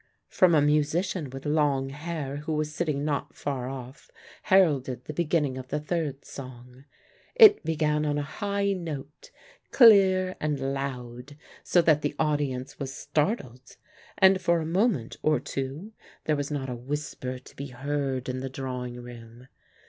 from a musician with long hair who was sitting not far off heralded the beginning of the third song. It began on a high note, clear and loud, so that the audience was startled, and for a moment or two there was not a whisper to be heard in the drawing room.